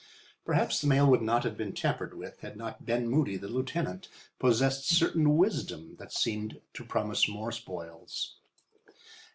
Perhaps the mail would not have been tampered with had not Ben Moody, the lieutenant, possessed certain wisdom that seemed to promise more spoils.